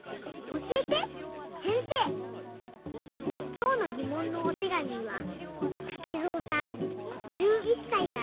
きょうのぎもんのおてがみはたけぞうさん１１さいから。